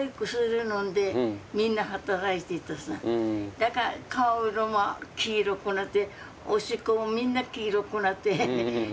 だから顔色も黄色くなっておしっこもみんな黄色くなって。